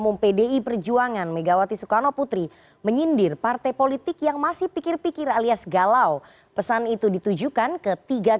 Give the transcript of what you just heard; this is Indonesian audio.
sampai jumpa di video selanjutnya